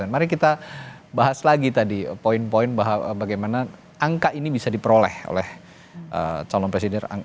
mari kita bahas lagi tadi poin poin bahwa bagaimana angka ini bisa diperoleh oleh calon presiden